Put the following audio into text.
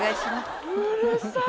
うるさっ。